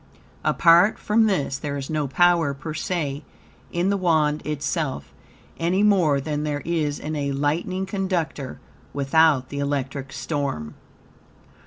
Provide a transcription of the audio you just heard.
Apart from this there is no power, per se, in the Wand itself, any more than there is in a lightning conductor without the electric storm.